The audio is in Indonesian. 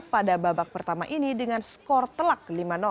pada babak pertama ini dengan skor telak lima